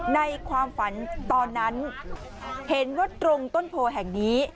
ในความฝันตอนนั้นเห็นว่าตรงต้นโพแห่งนี้